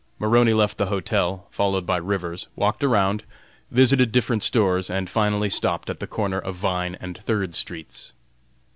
Maroney left the hotel, followed by Rivers, walked around, visited different stores, and finally stopped at the corner of Vine and Third streets.